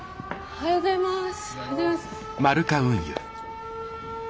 おはようございます。